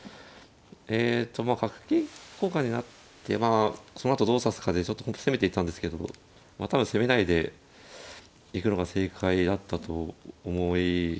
えっとまあ角金交換になってそのあとどう指すかでちょっと本譜攻めていったんですけど多分攻めないでいくのが正解だったと思います。